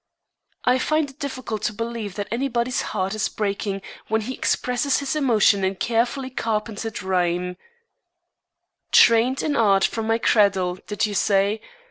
I find it difficult to believe that anybody's heart is breaking when he expresses his emotion in carefully carpentered rhyme: "_Trained in art from my cradle," did you say?